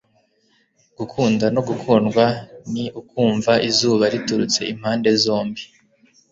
Gukunda no gukundwa ni ukumva izuba riturutse impande zombi.”